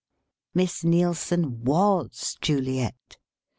Miss Neilson was Juliet.